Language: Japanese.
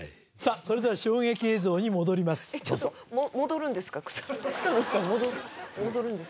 それでは衝撃映像に戻ります